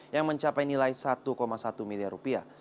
yang mencapai nilai satu satu miliar rupiah